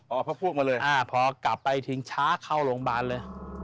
พระพวกมาเลยพอกลับไปทิ้งช้าเข้าโรงพยาบาลเลย